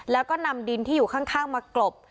แล้วก็นำดินที่อยู่ข้างมากลบ